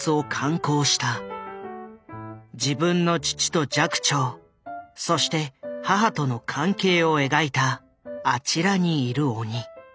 自分の父と寂聴そして母との関係を描いた「あちらにいる鬼」。